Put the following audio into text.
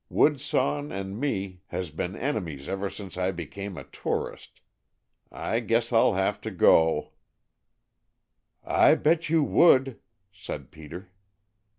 Wood sawin' and me has been enemies ever since I became a tourist. I guess I'll have to go " "I bet you would!" said Peter.